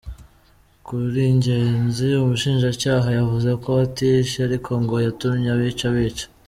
Kuri Ngenzi, Umushinjacyaha yavuze ko we atishe ariko ngo yatumye abica bica.